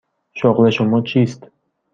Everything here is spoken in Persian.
شغل شما چیست؟